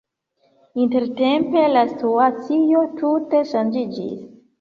Intertempe la situacio tute ŝanĝiĝis.